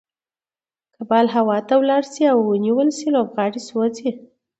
که بال هوا ته ولاړ سي او ونيول سي؛ لوبغاړی سوځي.